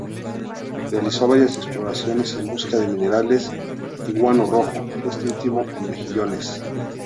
Realizó varias exploraciones en busca de minerales y guano rojo, este último en Mejillones.